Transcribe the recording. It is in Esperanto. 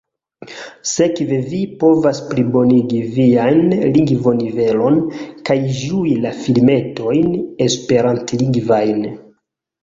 Sekve vi povas plibonigi vian lingvonivelon kaj ĝui la filmetojn esperantlingvajn.